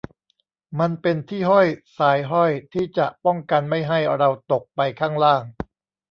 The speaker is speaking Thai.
มันเป็นที่ห้อยสายห้อยที่จะป้องกันไม่ให้เราตกไปข้างล่าง